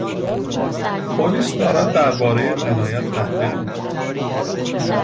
پلیس دارد دربارهی جنایت تحقیق میکند.